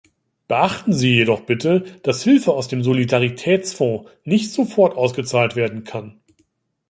Beachten Sie jedoch bitte, dass Hilfe aus dem Solidaritätsfonds nicht sofort ausgezahlt werden kann.